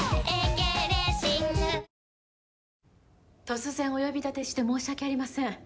突然お呼び立てして申し訳ありません。